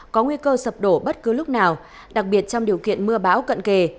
có nguy cơ sập đổ bất cứ lúc nào đặc biệt trong điều kiện mưa bão cận kề